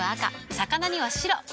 魚には白。